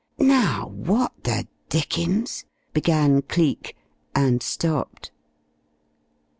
"Now, what the dickens...?" began Cleek, and stopped.